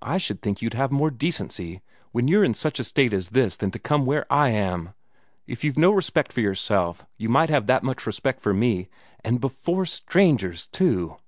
I should think you'd have more decency, when you're in such a state as this, than to come where I am. If you've no respect for yourself, you might have that much respect for me! And before strangers, too!